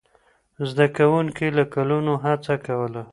زده کوونکي له کلونو هڅه کوله.